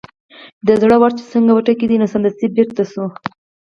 د زړه ور چې څنګه وټکېد نو سمدستي بېرته شو.